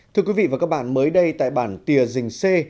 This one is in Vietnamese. thưa quý vị và các bạn mới đây tại bản tìa dình xê